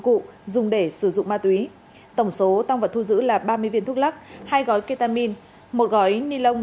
cụ dùng để sử dụng ma túy tổng số tăng vật thu giữ là ba mươi viên thuốc lắc hai gói ketamin một gói ni lông